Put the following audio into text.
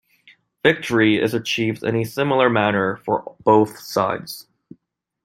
Victory is achieved in a similar manner for both sides.